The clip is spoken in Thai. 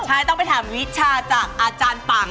ใช่ต้องไปถามวิชาจากอาจารย์ปัง